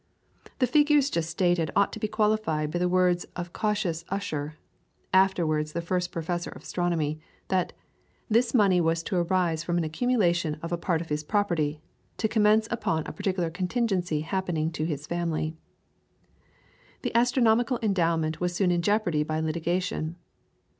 The figures just stated ought to be qualified by the words of cautious Ussher (afterwards the first Professor of Astronomy), that "this money was to arise from an accumulation of a part of his property, to commence upon a particular contingency happening to his family." The astronomical endowment was soon in jeopardy by litigation.